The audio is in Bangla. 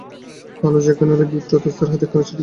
কালু যখন এল, বিপ্রদাস তার হাতে একখানা চিঠি দিলে।